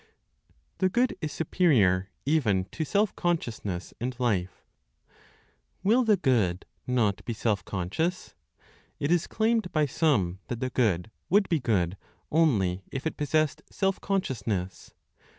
THE GOOD IS SUPERIOR EVEN TO SELF CONSCIOUSNESS AND LIFE. Will the Good not be self conscious? It is claimed by some that the Good would be good only if it possessed self consciousness.